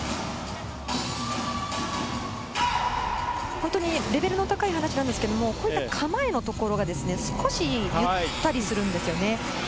本当にレベルの高い話なんですけれど、こういった構えのところが、少しべったりするんですよね。